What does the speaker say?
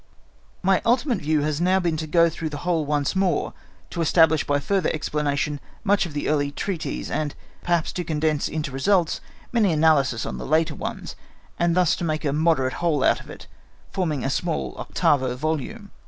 "My ultimate view has now been to go through the whole once more, to establish by further explanation much of the earlier treatises, and perhaps to condense into results many analyses on the later ones, and thus to make a moderate whole out of it, forming a small octavo volume.